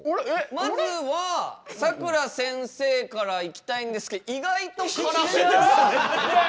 まずはさくら先生からいきたいんですけど意外と辛めですね。